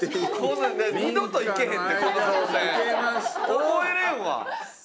覚えれんわ！